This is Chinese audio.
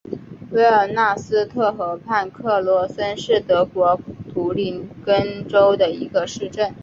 埃尔斯特河畔克罗森是德国图林根州的一个市镇。